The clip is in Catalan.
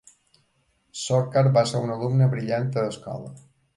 Sorcar va ser un alumne brillant a escola.